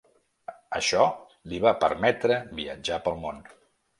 Això li va permetre viatjar pel món.